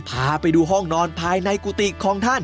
พาไปดูห้องนอนภายในกุฏิของท่าน